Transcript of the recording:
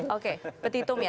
oke petitum ya